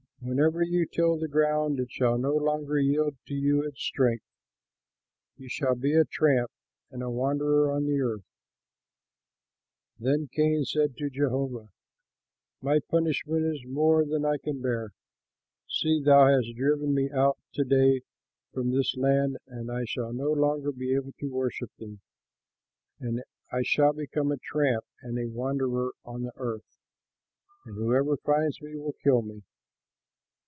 Whenever you till the ground, it shall no longer yield to you its strength; you shall be a tramp and a wanderer on the earth." Then Cain said to Jehovah, "My punishment is more than I can bear. See, thou hast driven me out to day from this land, and I shall no longer be able to worship thee; I shall become a tramp and a wanderer on the earth, and whoever finds me will kill me."